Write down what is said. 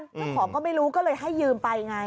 เจ้าของก็ไม่รู้ก็เลยให้ยืมไปไง